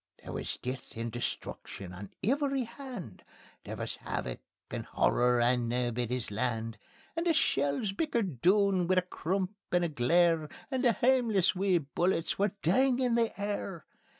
There wis death and destruction on every hand; There wis havoc and horror on Naebuddy's Land. And the shells bickered doun wi' a crump and a glare, And the hameless wee bullets were dingin' the air.